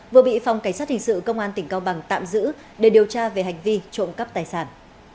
vừa bị phòng cảnh sát hình sự công an tỉnh cao bằng tạm giữ để điều tra về hành vi trộm cắp tài sản